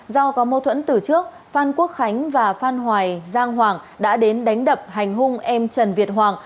do có mâu thuẫn từ trước phan quốc khánh và phan hoài giang hoàng đã đến đánh đập hành hung em trần việt hoàng